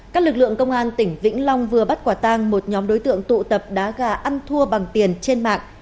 các lực lượng công an tỉnh vĩnh long vừa bắt quả tang một nhóm đối tượng tụ tập đá gà ăn thua bằng tiền trên mạng